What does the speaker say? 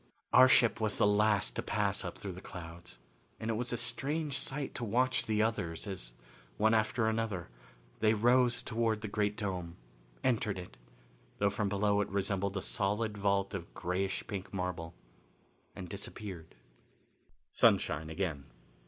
Our ship was the last to pass up through the clouds, and it was a strange sight to watch the others as one after another they rose toward the great dome, entered it, though from below it resembled a solid vault of grayish pink marble, and disappeared. Sunshine Again.